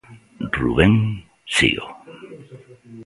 Rubén Sío.